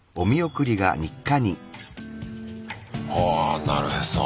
あなるへそ。